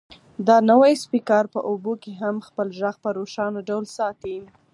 دا نوی سپیکر په اوبو کې هم خپل غږ په روښانه ډول ساتي.